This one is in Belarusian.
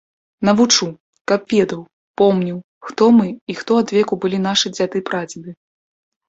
Навучу, каб ведаў, помніў, хто мы і хто адвеку былі нашы дзяды-прадзеды.